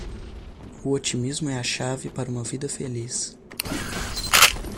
O otimismo é a chave para uma vida feliz.